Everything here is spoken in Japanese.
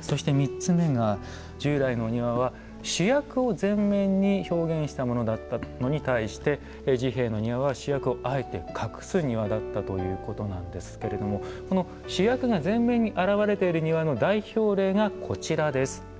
そして３つ目が従来のお庭は主役を前面に表現したものだったのに対して治兵衛の庭は主役をあえて隠す庭だったということなんですけれども主役が前面に表れている代表例がこちらです。